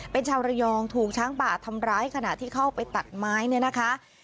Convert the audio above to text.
เป็นชาวระยองถูกช้างป่าทำร้ายขณะที่เข้าไปตัดไม้เนี่ยนะคะ